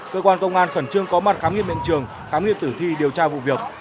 cơ quan công an khẩn trương có mặt khám nghiệp miệng trường khám nghiệp tử thi điều tra vụ việc